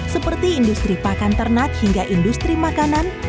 seperti industri pakan ternak hingga industri makanan